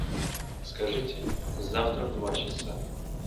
Скажите, завтра в два часа.